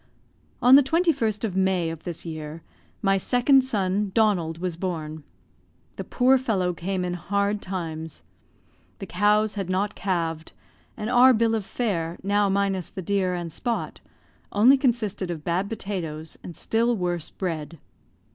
On the 21st of May of this year, my second son, Donald, was born. The poor fellow came in hard times. The cows had not calved, and our bill of fare, now minus the deer and Spot, only consisted of bad potatoes and still worse bread.